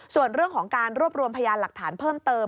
ส่วนเรื่องของการรวบรวมพยานหลักฐานเพิ่มเติม